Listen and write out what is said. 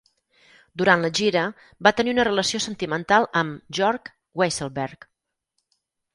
Durant la gira, va tenir una relació sentimental amb Jorg Weisselberg.